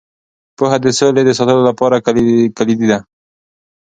پوهه د سولې د ساتلو لپاره کلیدي ده.